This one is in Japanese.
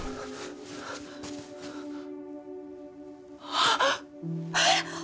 あっ。